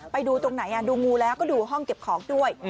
ไปดูตรงไหนดูงูแล้วก็ดูห้องเก็บของด้วย